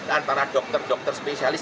antara dokter dokter spesialis